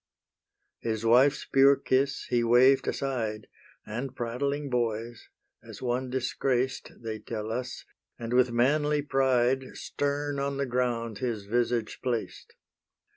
His wife's pure kiss he waved aside, And prattling boys, as one disgraced, They tell us, and with manly pride Stern on the ground his visage placed.